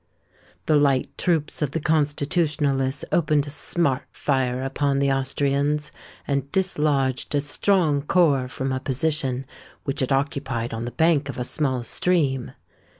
The light troops of the Constitutionalists opened a smart fire upon the Austrians, and dislodged a strong corps from a position which it occupied on the bank of a small stream.